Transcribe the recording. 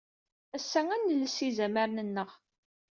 Ass-a ad nelles izamaren-nneɣ.